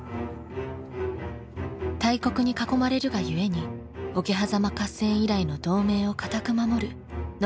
大国に囲まれるがゆえに桶狭間合戦以来の同盟を堅く守る信長と家康。